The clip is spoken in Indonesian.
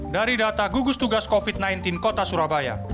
dari data gugus tugas covid sembilan belas kota surabaya